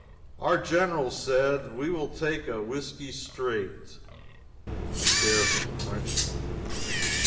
Our general said, "We will take a whiskey straight." [A stare from the Frenchman.